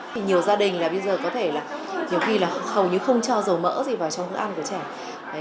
thì nhiều gia đình là bây giờ có thể là nhiều khi là hầu như không cho dầu mỡ gì vào trong bữa ăn của trẻ